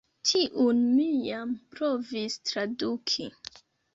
Tiun mi jam provis traduki.